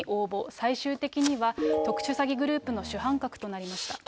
最終的には特殊詐欺グループの主犯格となりました。